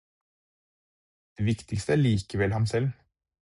Det viktigste er likevel ham selv.